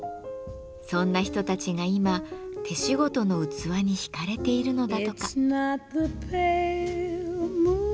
そんな人たちが今手仕事の器に引かれているのだとか。